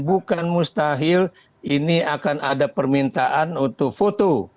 bukan mustahil ini akan ada permintaan untuk foto